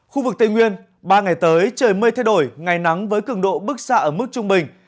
khu vực tây nguyên ba ngày tới trời mây thay đổi ngày nắng với cường độ bức xạ ở mức trung bình